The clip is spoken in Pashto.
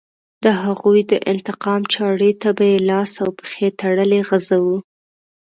د هغوی د انتقام چاړې ته به یې لاس او پښې تړلې غځاوه.